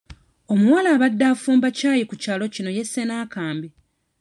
Omuwala abadde afumba ccaayi ku kyalo kino yesse n'akambe